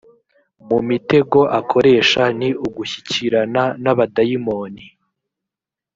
mu mitego akoresha ni ugushyikirana n’abadayimoni